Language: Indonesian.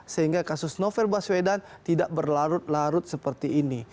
sehingga kasus novel baswedan tidak berlarut larut seperti ini